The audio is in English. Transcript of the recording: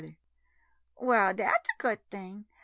Melindy Well, dat's a good thing.